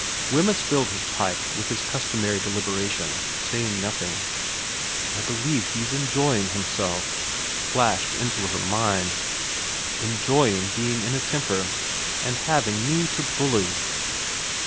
Wemyss filled his pipe with his customary delibera tion, saying nothing. ' I believe he's enjoying himself,' flashed into her mind. ' Enjoying being in a temper, and having me to bully.'